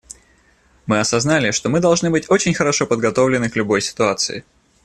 Мы осознали, что мы должны быть очень хорошо подготовлены к любой ситуации.